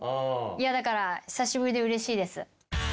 だから久しぶりでうれしいです。